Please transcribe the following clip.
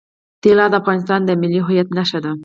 طلا د افغانستان د ملي هویت نښه ده.